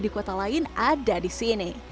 di kota lain ada di sini